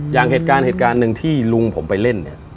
อย่างเหตุการณ์หนึ่งที่ลุงผมไปเล่น